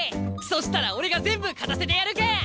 そしたら俺が全部勝たせてやるけん！